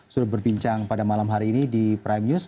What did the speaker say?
sudah berbincang pada malam hari ini di prime news